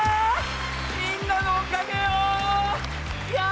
みんなのおかげよ！